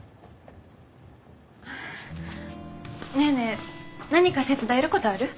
ネーネー何か手伝えることある？